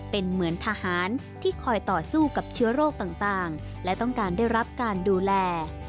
เป็นเหมือนทหารที่คอยต่อสู้กับเชื้อโรคต่างและต้องการได้รับการดูแล